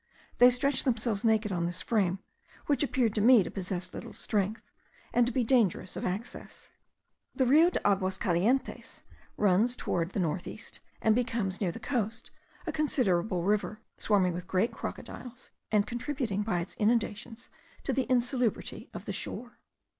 They stretch themselves naked on this frame, which appeared to me to possess little strength, and to be dangerous of access. The Rio de Aguas Calientes runs towards the north east, and becomes, near the coast, a considerable river, swarming with great crocodiles, and contributing, by its inundations, to the insalubrity of the shore.